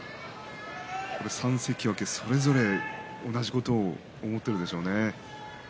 ３関脇それぞれ同じことを思っているでしょうね。